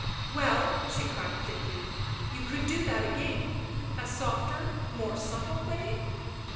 " Well," she cried thickly. " You could do that again — a softer, more subtle way